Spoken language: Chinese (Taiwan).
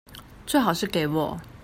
最好是給我